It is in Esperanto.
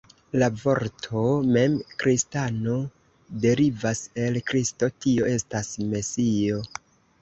La vorto mem kristano, derivas el Kristo, tio estas, Mesio.